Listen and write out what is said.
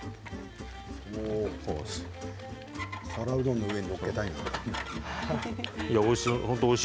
皿うどんの上に載っけたいな。